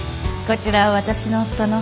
こちら私の夫の。